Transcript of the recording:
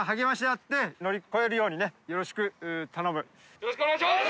よろしくお願いします！